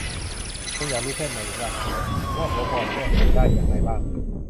คงอยากรู้ใช่ไหมล่ะ ว่าหัวนมบอดแก้ไขได้อย่างไรบ้าง